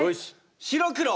白黒。